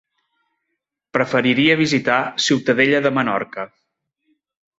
Preferiria visitar Ciutadella de Menorca.